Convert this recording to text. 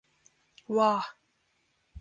Wah!